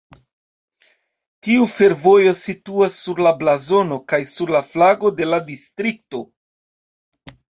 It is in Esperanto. Tiu fervojo situas sur la blazono kaj sur la flago de la distrikto.